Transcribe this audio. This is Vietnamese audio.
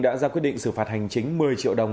đã ra quyết định xử phạt hành chính một mươi triệu đồng